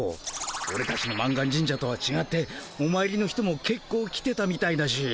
オレたちの満願神社とはちがっておまいりの人もけっこう来てたみたいだし。